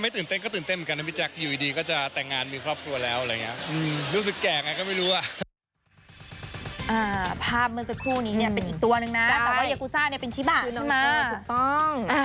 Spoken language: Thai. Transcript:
คู่นี้เนี่ยเป็นอีกตัวหนึ่งนะแต่ว่ายากูซ่าเนี่ยเป็นชิบาใช่ไหมเออถูกต้อง